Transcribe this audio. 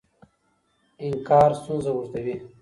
انکار ستونزه اوږدوي.